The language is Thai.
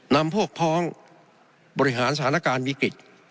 นำพวกพ้องบริหารสถานการณ์วิกฤต